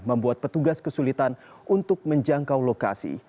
membuat petugas kesulitan untuk menjangkau lokasi